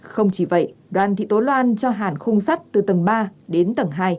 không chỉ vậy đoàn thị tố loan cho hàn khung sắt từ tầng ba đến tầng hai